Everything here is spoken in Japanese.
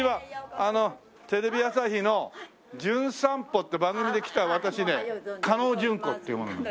あのテレビ朝日の『じゅん散歩』って番組で来た私ね叶順子っていう者なの。